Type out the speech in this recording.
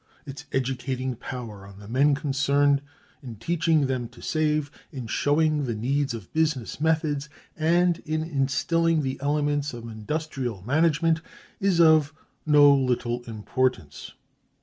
Its educating power on the men concerned in teaching them to save, in showing the need of business methods, and in instilling the elements of industrial management, is of no little importance.